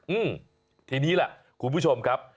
อืมทีนี้แหละคุณผู้ชมครับ